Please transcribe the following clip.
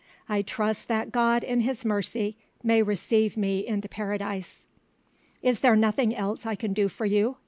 I trust that God in His mercy may receive me into Paradise." "Is there nothing else I can do for you?"